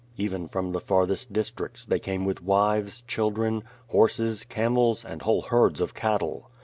Even from the farthest districts, they came with wives, children, horses, camels, and whole herds of cattle.